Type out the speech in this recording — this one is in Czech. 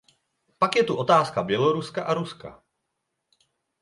Pak je tu otázka Běloruska a Ruska.